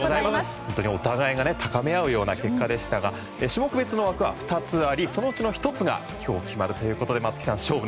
本当にお互いが高めあうような結果でしたが種目別の枠は２つありそのうちの１つが今日決まるということで。